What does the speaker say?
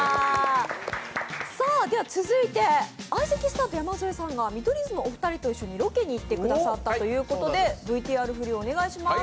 続いて、相席スタート・山添さんが見取り図のお二人と一緒にロケに行ってくださったということでＶＴＲ振りをお願いします。